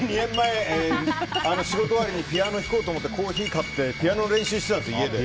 仕事帰りにピアノ弾こうと思ってコーヒー買ってピアノを練習してたんです、家で。